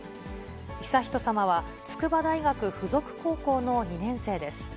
悠仁さまは筑波大学附属高校の２年生です。